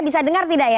bisa dengar tidak ya